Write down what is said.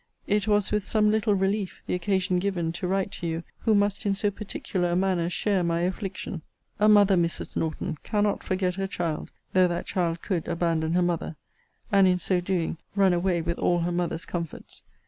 It was with some little relief (the occasion given) to write to you, who must, in so particular a manner, share my affliction. A mother, Mrs. Norton, cannot forget her child, though that child could abandon her mother; and, in so doing, run away with all her mother's comforts!